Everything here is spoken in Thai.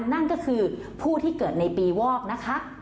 นั่นก็คือผู้ที่เกิดในปีวอกนะคะ